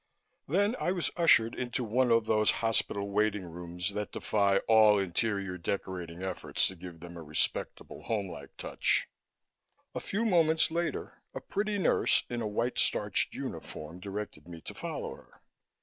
Then I was ushered into one of those hospital waiting rooms that defy all interior decorating efforts to give them a respectable, homelike touch. A few moments later, a pretty nurse in a white starched uniform directed me to follow her.